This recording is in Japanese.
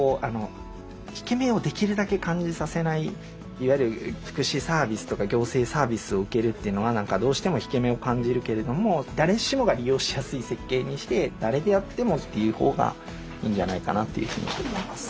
いわゆる福祉サービスとか行政サービスを受けるっていうのは何かどうしても引け目を感じるけれども誰しもが利用しやすい設計にして誰であってもっていう方がいいんじゃないかなというふうに思っています。